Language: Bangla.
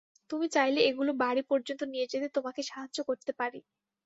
তুমি চাইলে, এগুলো বাড়ি পর্যন্ত নিয়ে যেতে তোমাকে সাহায্য করতে পারি।